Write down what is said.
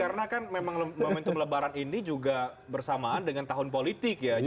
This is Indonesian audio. mungkin karena begitu juga pak karena memang momentum lebaran ini juga bersamaan dengan tahun politik